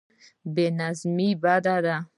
بې نظمي بد دی.